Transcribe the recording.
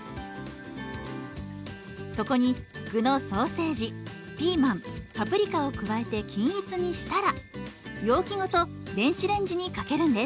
そこに具のソーセージピーマンパプリカを加えて均一にしたら容器ごと電子レンジにかけるんです。